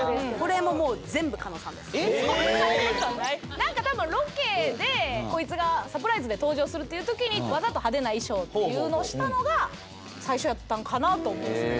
なんか多分ロケでこいつがサプライズで登場するっていう時にわざと派手な衣装っていうのをしたのが最初やったんかなと思いますね。